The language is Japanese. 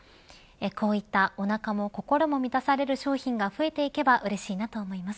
こういった、おなかも心も満たされる商品が増えていけばうれしいなと思います。